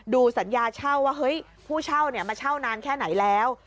สัญญาเช่าว่าเฮ้ยผู้เช่ามาเช่านานแค่ไหนแล้ว